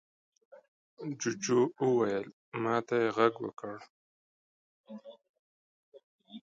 جوجو وويل: ما ته يې غږ وکړ.